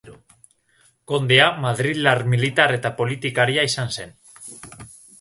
Kondea, madrildar militar eta politikaria izan zen.